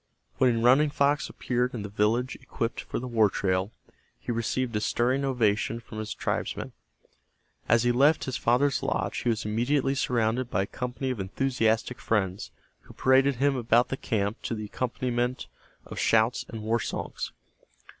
When Running Fox appeared in the village equipped for the war trail, he received a stirring ovation from his tribesmen. As he left his father's lodge he was immediately surrounded by a company of enthusiastic friends, who paraded him about the camp to the accompaniment of shouts and war songs.